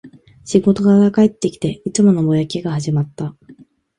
仕事から帰ってきて、いつものぼやきが始まった